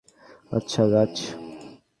আচ্ছা, গাছ।